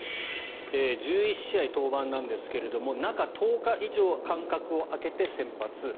１１試合登板なんですが中１０日以上間隔を空けて先発。